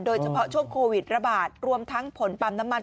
โดยเฉพาะช่วงโควิดระบาดรวมทั้งผลปั๊มน้ำมัน